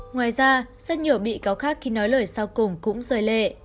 ngoài ra rất nhiều bị cáo khác khi nói lời sau cùng cũng rời lệ